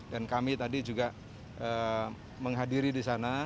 dan kami tadi juga menghadiri di sana